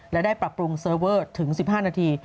และได้ปรับปรุงเซอร์เวอร์ถึง๑๕นาที